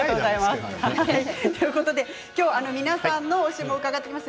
今日は皆さんの推しも伺っていきます。